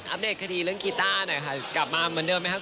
เดตคดีเรื่องกีต้าหน่อยค่ะกลับมาเหมือนเดิมไหมครับ